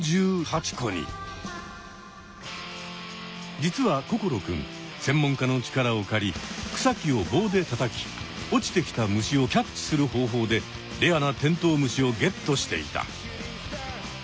実は心くん専門家の力を借り草木を棒でたたき落ちてきた虫をキャッチする方法でレアなテントウムシをゲットしていた！